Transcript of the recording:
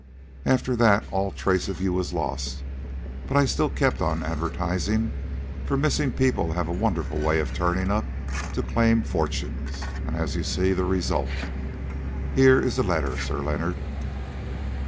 "After that all trace of you was lost, but I still kept on advertising, for missing people have a wonderful way of turning up to claim fortunes, and you see the result. Here is the letter, Sir Leonard."